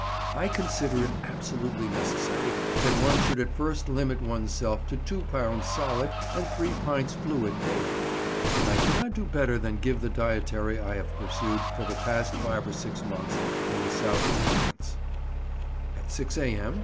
I consider it absolutely necessary that one should at first limit one's self to 2 pounds solid and 3 pints fluid daily; and I cannot do better than give the dietary I have pursued for the past five or six months in the south of France:— At 6 A.M.